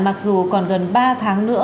mặc dù còn gần ba tháng nữa